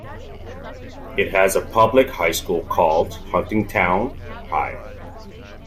It has a public high school called Huntingtown High.